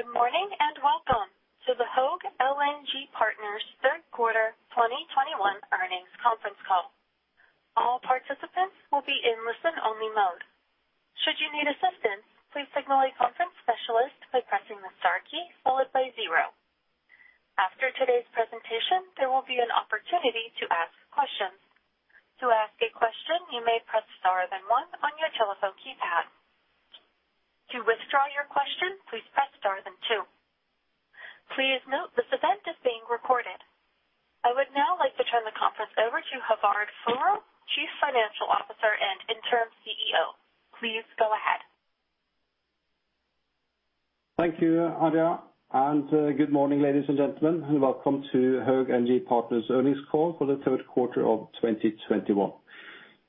Good morning, and welcome to the Höegh LNG Partners third quarter 2021 earnings conference call. All participants will be in listen-only mode. Should you need assistance, please signal a conference specialist by pressing the star key followed by zero. After today's presentation, there will be an opportunity to ask questions. To ask a question, you may press star then one on your telephone keypad. To withdraw your question, please press star then two. Please note this event is being recorded. I would now like to turn the conference over to Håvard Furu, Chief Financial Officer and Interim CEO. Please go ahead. Thank you, Aria, and good morning, ladies and gentlemen. Welcome to Höegh LNG Partners earnings call for the third quarter of 2021.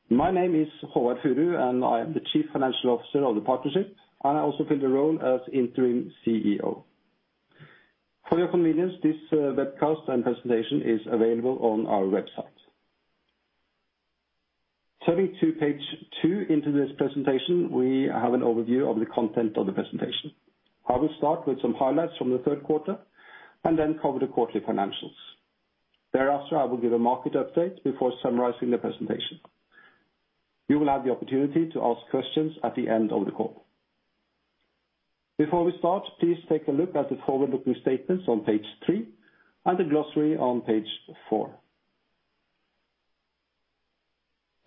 My name is Håvard Furu, and I am the Chief Financial Officer of the partnership. I also fill the role as Interim CEO. For your convenience, this webcast and presentation is available on our website. Turning to page two of this presentation, we have an overview of the content of the presentation. I will start with some highlights from the third quarter and then cover the quarterly financials. Thereafter, I will give a market update before summarizing the presentation. You will have the opportunity to ask questions at the end of the call. Before we start, please take a look at the forward-looking statements on page three and the glossary on page four.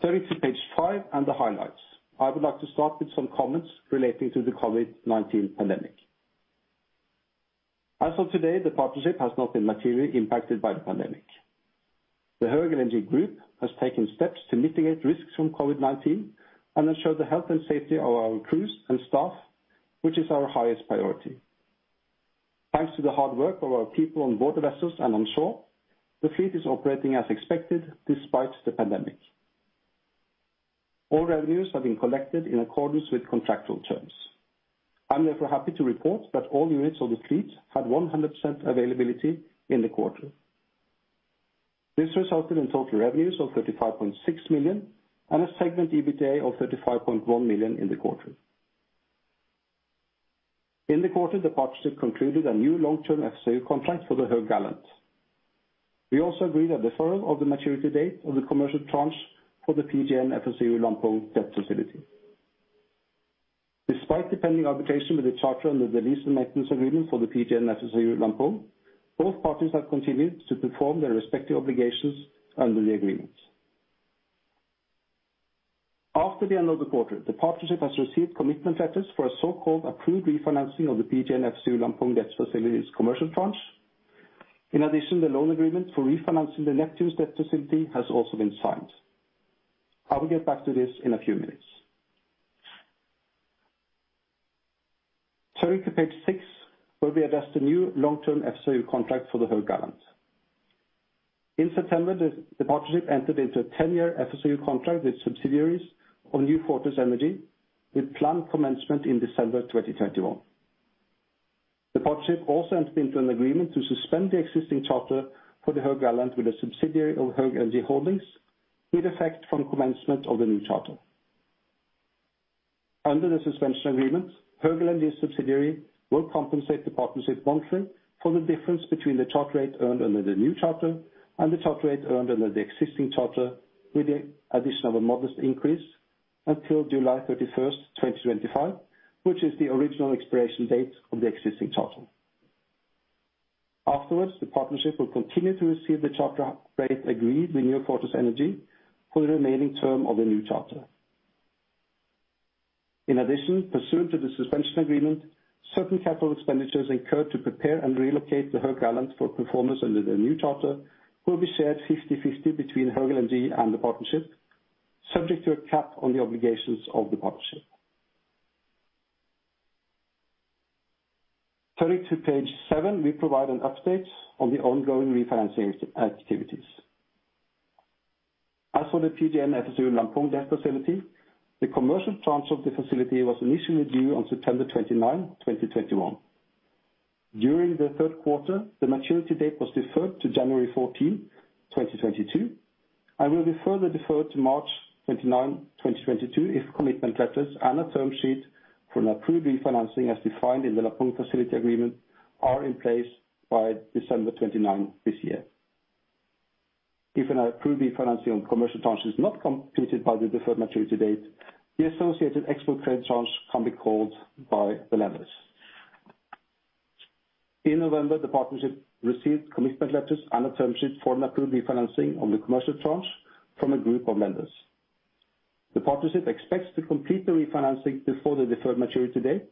Turning to page five and the highlights. I would like to start with some comments relating to the COVID-19 pandemic. As of today, the partnership has not been materially impacted by the pandemic. The Höegh LNG group has taken steps to mitigate risks from COVID-19 and ensure the health and safety of our crews and staff, which is our highest priority. Thanks to the hard work of our people on board vessels and on shore, the fleet is operating as expected despite the pandemic. All revenues have been collected in accordance with contractual terms. I'm therefore happy to report that all units of the fleet had 100% availability in the quarter. This resulted in total revenues of $35.6 million and a segment EBITDA of $35.1 million in the quarter. In the quarter, the partnership concluded a new long-term FSU contract for the Höegh Gallant. We also agreed on the deferral of the maturity date of the commercial tranche for the PGN FSRU Lampung debt facility. Despite the pending arbitration with the charter under the lease and maintenance agreement for the PGN FSRU Lampung, both parties have continued to perform their respective obligations under the agreement. After the end of the quarter, the partnership has received commitment letters for a so-called approved refinancing of the PGN FSRU Lampung debt facility's commercial tranche. In addition, the loan agreement for refinancing the Neptune's debt facility has also been signed. I will get back to this in a few minutes. Turning to page six, where we address the new long-term FSRU contract for the Höegh Gallant. In September, the partnership entered into a 10-year FSRU contract with subsidiaries of New Fortress Energy with planned commencement in December 2021. The partnership also entered into an agreement to suspend the existing charter for the Höegh Gallant with a subsidiary of Höegh LNG Holdings with effect from commencement of the new charter. Under the suspension agreement, Höegh LNG's subsidiary will compensate the partnership monthly for the difference between the charter rate earned under the new charter and the charter rate earned under the existing charter with the addition of a modest increase until July 31, 2025, which is the original expiration date of the existing charter. Afterwards, the partnership will continue to receive the charter rate agreed with New Fortress Energy for the remaining term of the new charter. In addition, pursuant to the suspension agreement, certain capital expenditures incurred to prepare and relocate the Höegh Gallant for performance under the new charter will be shared 50/50 between Höegh LNG and the partnership, subject to a cap on the obligations of the partnership. Turning to page seven, we provide an update on the ongoing refinancing activities. As for the PGN FSRU Lampung debt facility, the commercial tranche of the facility was initially due on September 29, 2021. During the third quarter, the maturity date was deferred to January 14, 2022 and will be further deferred to March 29, 2022 if commitment letters and a term sheet for an approved refinancing as defined in the Lampung facility agreement are in place by December 29 this year. If an approved refinancing on commercial tranche is not completed by the deferred maturity date, the associated export credit tranche can be called by the lenders. In November, the partnership received commitment letters and a term sheet for an approved refinancing on the commercial tranche from a group of lenders. The partnership expects to complete the refinancing before the deferred maturity date,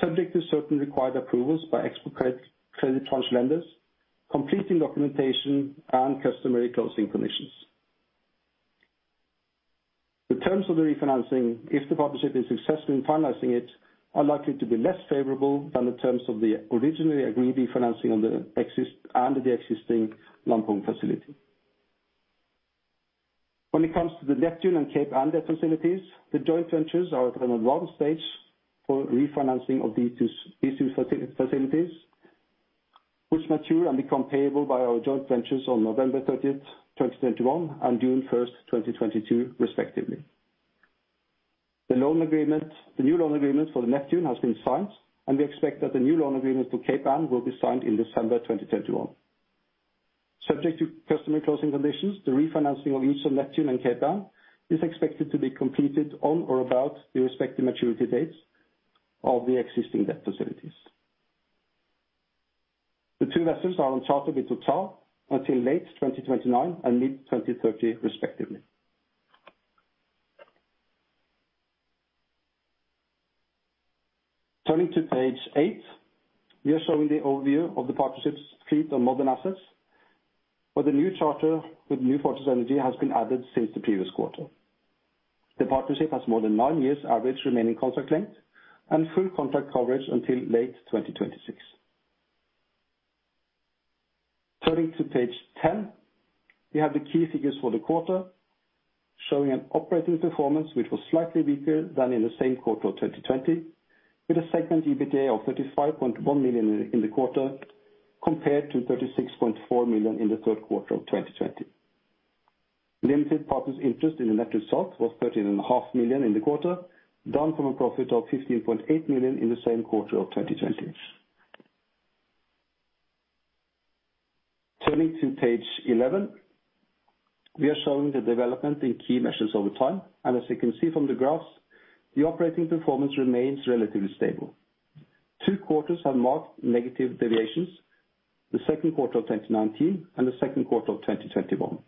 subject to certain required approvals by export credit tranche lenders, completing documentation and customary closing conditions. The terms of the refinancing, if the partnership is successful in finalizing it, are likely to be less favorable than the terms of the originally agreed refinancing under the existing Lampung facility. When it comes to the Neptune and Cape Ann facilities, the joint ventures are at an advanced stage for refinancing of these two facilities, which mature and become payable by our joint ventures on November 30, 2021 and June 1, 2022 respectively. The new loan agreement for the Neptune has been signed, and we expect that the new loan agreement for Cape Ann will be signed in December 2021. Subject to customary closing conditions, the refinancing of each of Neptune and Cape Ann is expected to be completed on or about the respective maturity dates of the existing debt facilities. The two vessels are on charter with Total until late 2029 and mid-2030 respectively. Turning to page eight. We are showing the overview of the partnership's fleet of modern assets, where the new charter with New Fortress Energy has been added since the previous quarter. The partnership has more than nine years average remaining contract length and full contract coverage until late 2026. Turning to page 10. We have the key figures for the quarter showing an operating performance which was slightly weaker than in the same quarter of 2020, with a segment EBITDA of $35.1 million in the quarter, compared to $36.4 million in the third quarter of 2020. Limited partners interest in the net result was $13.5 Million in the quarter, down from a profit of $15.8 million in the same quarter of 2020. Turning to page 11. We are showing the development in key measures over time. As you can see from the graphs, the operating performance remains relatively stable. Two quarters have marked negative deviations, the second quarter of 2019 and the second quarter of 2021.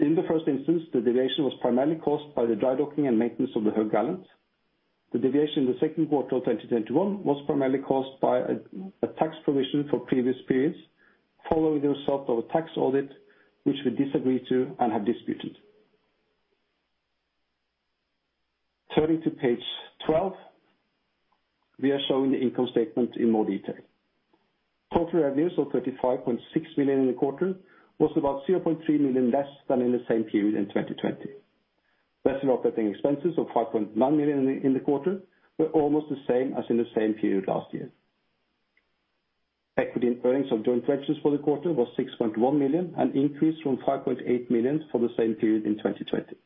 In the first instance, the deviation was primarily caused by the dry docking and maintenance of the Höegh Gallant. The deviation in the second quarter of 2021 was primarily caused by a tax provision for previous periods following the result of a tax audit which we disagree to and have disputed. Turning to page 12. We are showing the income statement in more detail. Total revenues of $35.6 million in the quarter was about $0.3 million less than in the same period in 2020. Vessel operating expenses of $5.9 million in the quarter were almost the same as in the same period last year. Equity and earnings of joint ventures for the quarter was $6.1 million, an increase from $5.8 million for the same period in 2020.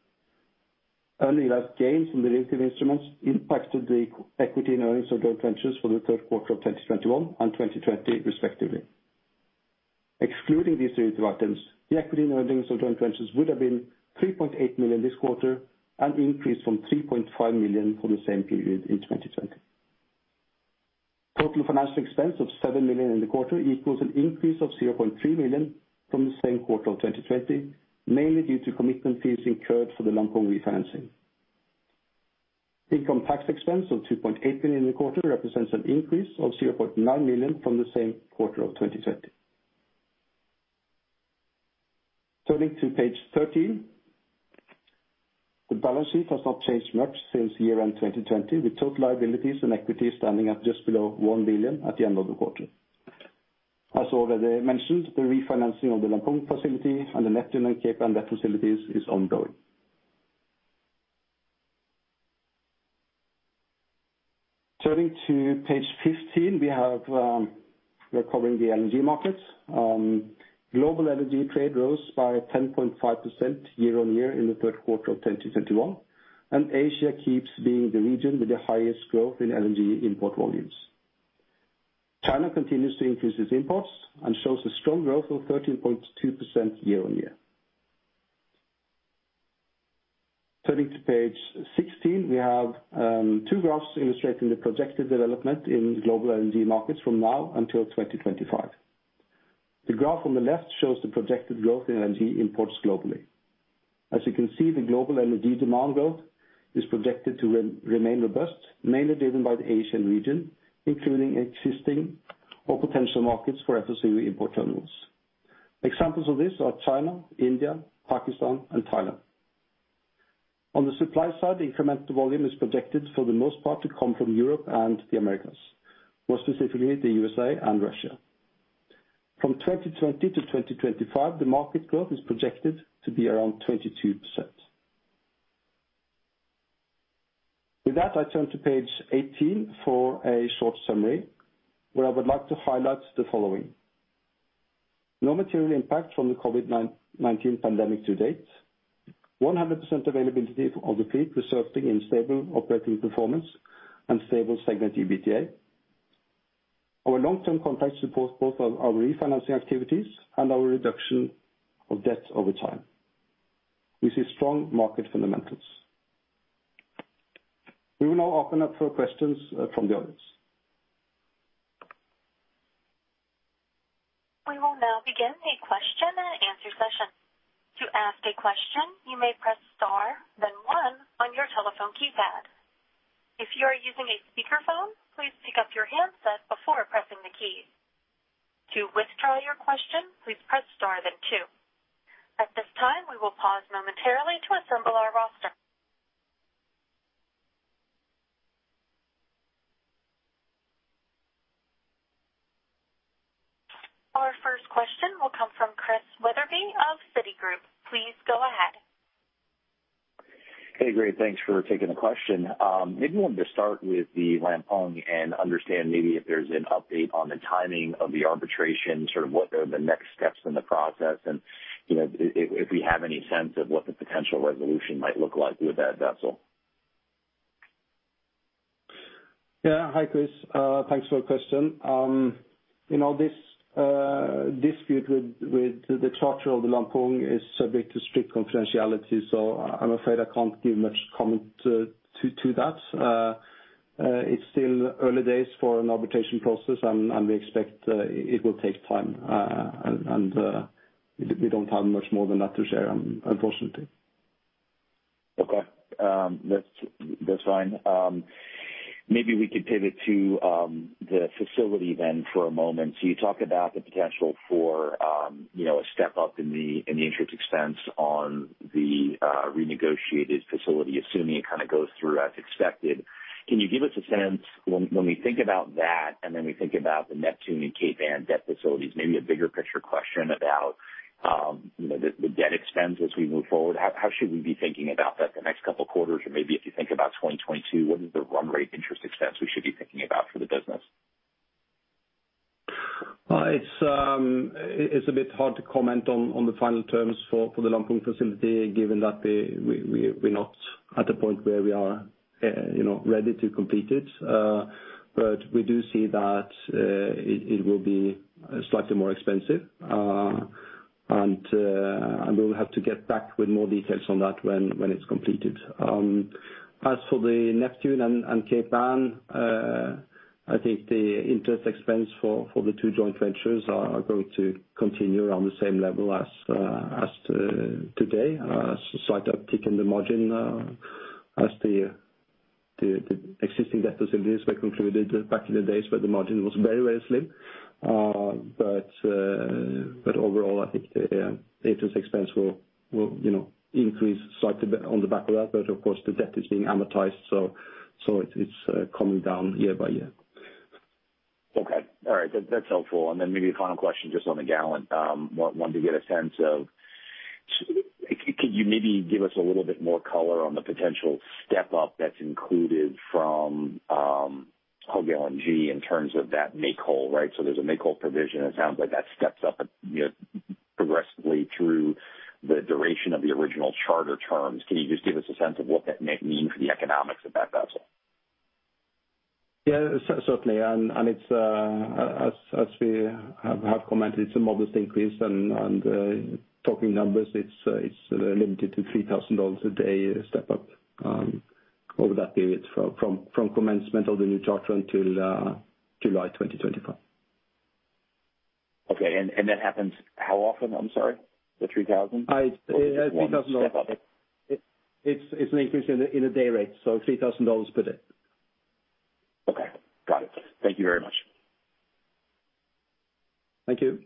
Unrealized gains from derivative instruments impacted the equity and earnings of joint ventures for the third quarter of 2021 and 2020 respectively. Excluding these derivative items, the equity and earnings of joint ventures would have been $3.8 million this quarter, an increase from $3.5 million for the same period in 2020. Total financial expense of $7 million in the quarter equals an increase of $0.3 million from the same quarter of 2020, mainly due to commitment fees incurred for the Lampung refinancing. Income tax expense of $2.8 million in the quarter represents an increase of $0.9 million from the same quarter of 2020. Turning to page 13. The balance sheet has not changed much since year-end 2020, with total liabilities and equity standing at just below $1 billion at the end of the quarter. As already mentioned, the refinancing of the Lampung facility and the Neptune and Cape Ann debt facilities is ongoing. Turning to page 15, we are covering the LNG markets. Global LNG trade rose by 10.5% year-on-year in the third quarter of 2021. Asia keeps being the region with the highest growth in LNG import volumes. China continues to increase its imports and shows a strong growth of 13.2% year-on-year. Turning to page 16, two graphs illustrating the projected development in global LNG markets from now until 2025. The graph on the left shows the projected growth in LNG imports globally. As you can see, the global LNG demand growth is projected to remain robust, mainly driven by the Asian region, including existing or potential markets for FSRU import terminals. Examples of this are China, India, Pakistan and Thailand. On the supply side, the incremental volume is projected, for the most part, to come from Europe and the Americas. More specifically, the USA and Russia. From 2020 to 2025, the market growth is projected to be around 22%. With that, I turn to page 18 for a short summary where I would like to highlight the following. No material impact from the COVID-19 pandemic to date. 100% availability of the fleet resulting in stable operating performance and stable segment EBITDA. Our long-term contracts support both our refinancing activities and our reduction of debt over time. We see strong market fundamentals. We will now open up for questions from the audience. We will now begin a question-and-answer session. To ask a question, you may press star, then one on your telephone keypad. If you are using a speakerphone, please pick up your handset before pressing the key. To withdraw your question, please press star then two. At this time, we will pause momentarily to assemble our roster. Our first question will come from Christian Wetherbee of Citigroup. Please go ahead. Hey, Håvard. Thanks for taking the question. Maybe I wanted to start with the Lampung and understand maybe if there's an update on the timing of the arbitration, sort of what are the next steps in the process and, you know, if we have any sense of what the potential resolution might look like with that vessel. Yeah. Hi, Chris. Thanks for the question. You know, this dispute with the charter of the Lampung is subject to strict confidentiality, so I'm afraid I can't give much comment to that. It's still early days for an arbitration process and we expect it will take time. We don't have much more than that to share, unfortunately. Okay. That's fine. Maybe we could pivot to the facility then for a moment. You talked about the potential for, you know, a step up in the interest expense on the renegotiated facility, assuming it kinda goes through as expected. Can you give us a sense when we think about that and then we think about the Neptune and Cape Ann debt facilities, maybe a bigger picture question about, you know, the debt expense as we move forward, how should we be thinking about that the next couple quarters or maybe if you think about 2022, what is the run rate interest expense we should be thinking about for the business? It's a bit hard to comment on the final terms for the Lampung facility given that we're not at a point where we are you know ready to complete it. But we do see that it will be slightly more expensive. And we'll have to get back with more details on that when it's completed. As for the Neptune and Cape Ann, I think the interest expense for the two joint ventures are going to continue on the same level as today. Slight uptick in the margin, as the existing debt facilities were concluded back in the days where the margin was very slim. Overall I think the interest expense will, you know, increase slightly on the back of that. Of course, the debt is being amortized, so it's coming down year by year. Okay. All right. That's helpful. Maybe a final question just on the Gallant. Wanted to get a sense of. Could you maybe give us a little bit more color on the potential step up that's included from Höegh LNG in terms of that make whole, right? There's a make whole provision. It sounds like that steps up, you know, progressively through the duration of the original charter terms. Can you just give us a sense of what that may mean for the economics of that vessel? Yeah. Certainly. It's as we have commented, it's a modest increase and talking numbers, it's limited to $3,000 a day step up over that period from commencement of the new charter until July 2025. Okay. That happens how often? I'm sorry, the $3,000? $3,000- One step up. It's an increase in a day rate, so $3,000 per day. Okay. Got it. Thank you very much. Thank you.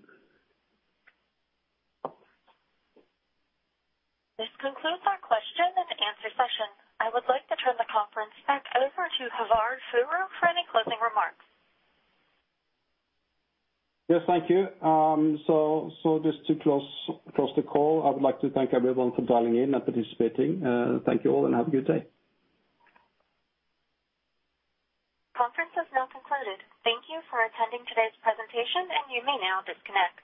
This concludes our question-and-answer session. I would like to turn the conference back over to Håvard Furu for any closing remarks. Yes, thank you. Just to close the call, I would like to thank everyone for dialing in and participating. Thank you all and have a good day. Conference has now concluded. Thank you for attending today's presentation, and you may now disconnect.